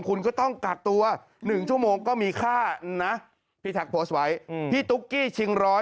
คุณก็ต้องกักตัวหนึ่งชั่วโมงก็มีค่านะพี่ไว้อืมพี่ชิงร้อย